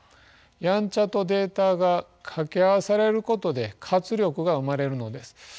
やんちゃとデータが掛け合わされることで活力が生まれるのです。